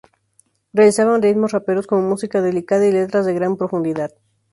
Realizaban ritmos raperos con música delicada y letras de gran profundidad.